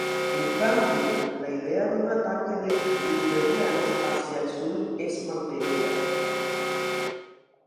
En cambio, la idea de un ataque de Guderian hacia el Sur es mantenida.